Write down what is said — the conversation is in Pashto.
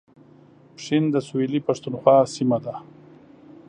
پښین د سویلي پښتونخوا سیمه ده